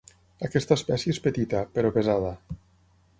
Aquesta espècie és petita, però pesada.